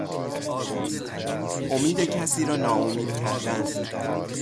امید کسی را ناامید کردن